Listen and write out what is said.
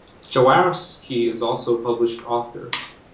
Jaworski is also a published author.